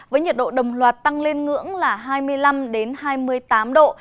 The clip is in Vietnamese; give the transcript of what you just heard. với nhiệt độ đồng loạt tăng lên ngưỡng là hai mươi năm hai mươi tám độ